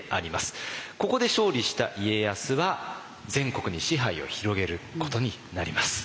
ここで勝利した家康は全国に支配を広げることになります。